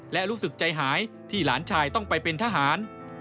และรู้สึกใจหายที่หลานชายต้องไปเป็นทหาร